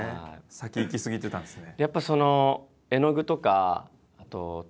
先行き過ぎてたんですね。